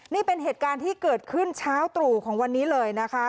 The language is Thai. นี่เป็นเหตุการณ์ที่เกิดขึ้นเช้าตรู่ของวันนี้เลยนะคะ